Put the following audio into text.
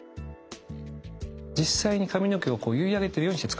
実際に髪の毛を結い上げてるようにしてつくってるんです。